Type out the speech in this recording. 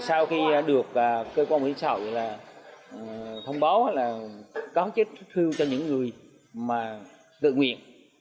sau khi được cơ quan bảo hiểm xã hội thông báo là có chức thư cho những người tự nguyện